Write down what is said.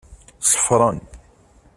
Ṣeffren.